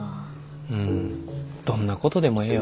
うんどんなことでもええよ。